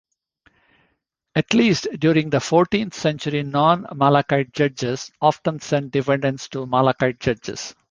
At least during the fourteenth century non-Malakite judges "often" sent defendants to Malakite judges.